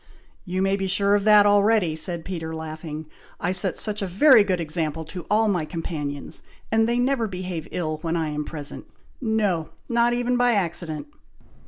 "You may be sure of that already!" said Peter, laughing. "I set such a very good example to all my companions, that they never behave ill when I am present, no! not even by accident!